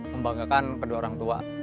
membanggakan kedua orang tua